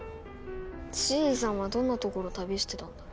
シエリさんはどんな所旅してたんだろ。